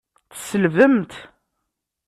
Tselbemt!